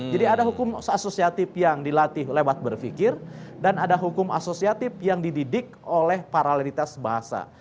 jadi ada hukum asosiatif yang dilatih lewat berpikir dan ada hukum asosiatif yang dididik oleh paralelitas bahasa